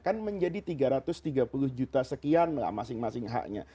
kan menjadi tiga ratus tiga puluh juta sekian lah masing masing haknya